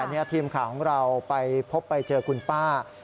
แต่ทีมขาของเราไปพบไปเจอคุณป้า